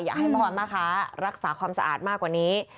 อยากให้พ่อแม่ค้ารักษาความสะอาดมากกว่านี้